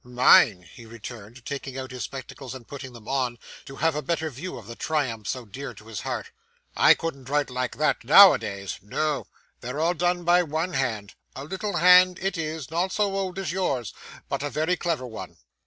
'Mine!' he returned, taking out his spectacles and putting them on, to have a better view of the triumphs so dear to his heart. 'I couldn't write like that, now a days. No. They're all done by one hand; a little hand it is, not so old as yours, but a very clever one.